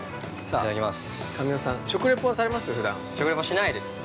いただきます。